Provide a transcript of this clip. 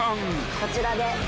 こちらで。